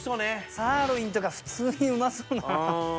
サーロインとか普通にうまそうな。